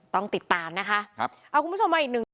ต้องติดตามนะคะครับเอาคุณผู้ชมมาอีกหนึ่ง